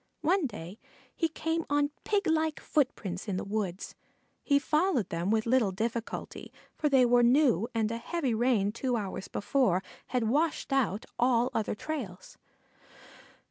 One day he came on piglike footprints in the woods. He followed them with little difficulty, for they were new, and a heavy rain two hours before had washed out all other trails.